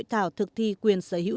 và văn hóa châu âu